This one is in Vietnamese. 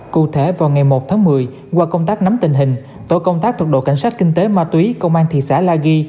cụ thể vào ngày một tháng một mươi qua công tác nắm tình hình tổ công tác thuộc đội cảnh sát kinh tế ma túy công an thị xã la ghi